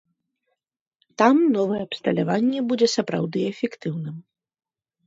Там новае абсталяванне будзе сапраўды эфектыўным.